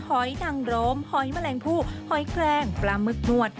หอยนังโรมหอยแมลงผู้หอยแครงปลาหมึกหนวด